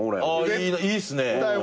あいいっすね。